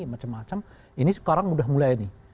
macam macam ini sekarang udah mulai nih